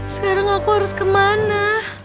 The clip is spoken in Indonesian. sekarang aku harus kemana